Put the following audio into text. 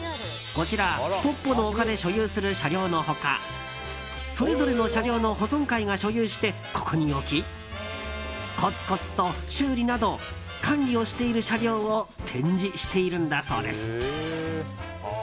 こちら、ポッポの丘で所有する車両の他それぞれの車両の保存会が所有してここに置きコツコツと修理など管理をしている車両を展示しているんだそうです。